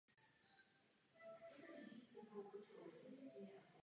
Distribuční místa jsou v jednotlivých krajích České republiky.